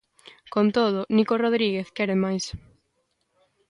Con todo, Nico Rodríguez quere máis.